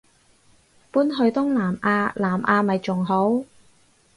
搬去東南亞南亞咪仲好